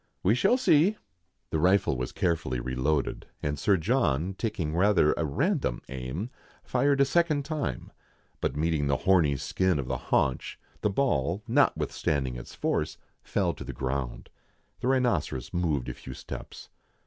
« We shall see." The rifle was carefully re loaded, and Sir John, taking rather a random aim, fired a second time ; but meeting the horny skin of the haunch, the ball, notwithstanding its 144 MERIDIANA; THE ADVENTURES OF force, fell to the ground. The rhinoceros moved a few steps.